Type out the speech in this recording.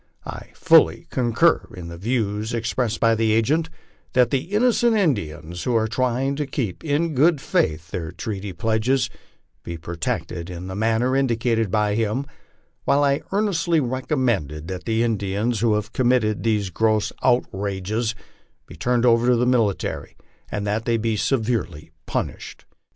I fully concur in the views ex pressed by the agent that the innocent Indians, who are trying to keep, in good faith, their treaty* pledges, be protected in tho manner indicated by him, while I earnestly recommend that the In dians who have committed these gross outrages be turned over to the military, and that they be se verely punished.